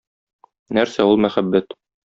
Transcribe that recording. Нәрсә ул мәхәббәт?